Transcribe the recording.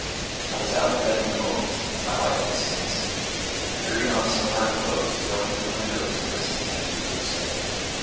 I was out of bed in a moment, and my wife the same instant. We hurried on some of our clothes, going to the windows and listening as we did so.